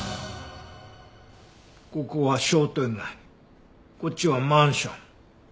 ここは商店街こっちはマンション。